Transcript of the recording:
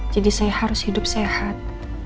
jadi saya harus hidup sehat